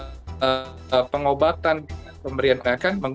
nah jadi begitu terbiasa melakukan pengobatan pemberian angan mengandung substan yang tersebut